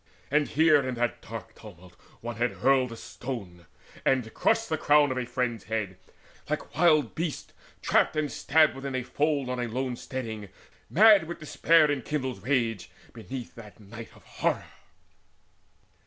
And here in that dark tumult one had hurled A stone, and crushed the crown of a friend's head. Like wild beasts trapped and stabbed within a fold On a lone steading, frenziedly they fought, Mad with despair enkindled rage, beneath That night of horror.